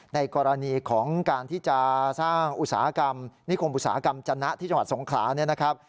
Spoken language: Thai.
ในกรณีของการที่จะสร้างอุตสาหกรรมนิคมอุตสาหกรรมจนะที่จังหวัดสงขลาเนี่ยนะครับ